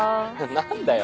何だよ？